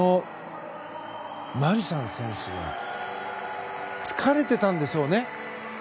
マルシャン選手は疲れてたんでしょうね。